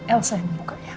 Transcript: elsa yang membukanya